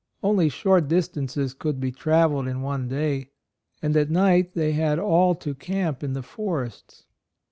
Only short distances could be travelled in one day, and at night they had all to camp in the forests.